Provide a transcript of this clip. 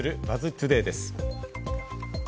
トゥデイです。